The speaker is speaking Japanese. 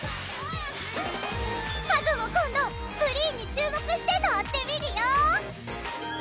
ハグも今度スクリーンに注目して乗ってみるよ！